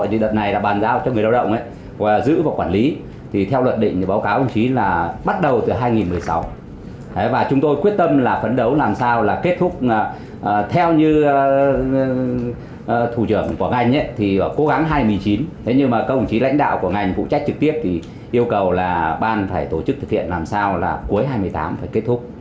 thủ trưởng của ngành thì cố gắng hai mươi chín thế nhưng mà các ổng chí lãnh đạo của ngành phụ trách trực tiếp thì yêu cầu là ban phải tổ chức thực hiện làm sao là cuối hai mươi tám phải kết thúc